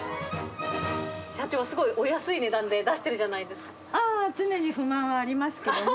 社長、すごいお安い値段で出あー、常に不満はありますけども。